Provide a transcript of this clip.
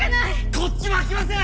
こっちも開きません！